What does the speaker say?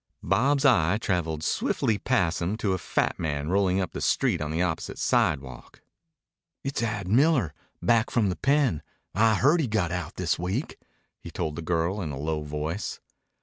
Bob's eye traveled swiftly past him to a fat man rolling up the street on the opposite sidewalk. "It's Ad Miller, back from the pen. I heard he got out this week," he told the girl in a low voice.